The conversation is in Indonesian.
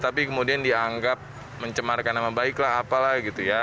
tapi kemudian dianggap mencemarkan nama baik lah apalah gitu ya